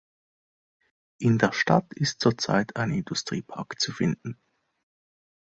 In der Stadt ist zurzeit ein Industriepark zu finden.